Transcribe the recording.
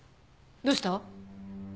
どうした？